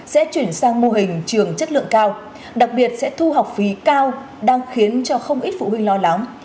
sẽ chuyển sang mô hình trường chất lượng cao đặc biệt sẽ thu học phí cao đang khiến cho không ít phụ huynh lo lắng